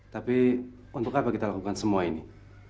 tapi untuk apa kita lakukan semua ini